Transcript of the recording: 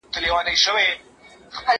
زه مخکي مکتب ته تللي وو،